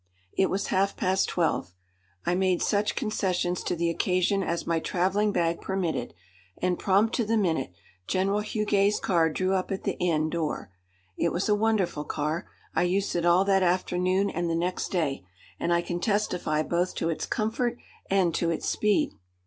It was half past twelve. I made such concessions to the occasion as my travelling bag permitted, and, prompt to the minute, General Huguet's car drew up at the inn door. It was a wonderful car. I used it all that afternoon and the next day, and I can testify both to its comfort and to its speed.